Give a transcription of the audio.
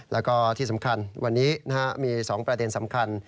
แล้วก็ที่สำคัญวันนี้มี๒ประเด็นสำคัญ